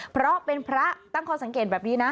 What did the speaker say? เพราะเป็นพระตั้งข้อสังเกตแบบนี้นะ